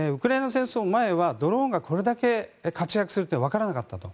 戦争前はドローンがこれだけ活躍するというのはわからなかったと。